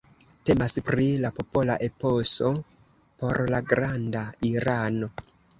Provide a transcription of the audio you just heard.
Temas pri la popola eposo por la Granda Irano.